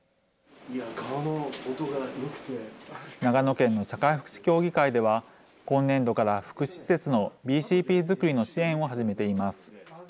長野県の社会福祉協議会では、今年度から福祉施設のＢＣＰ作りの支援を始めています。